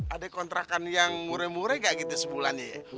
ada kontrakan yang mureh mureh gak gitu sebulan ya